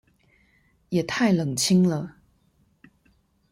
也太冷清了